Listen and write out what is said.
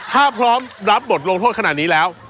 ถ้าพร้อมรับบทลงโทษขนาดนี้แล้ว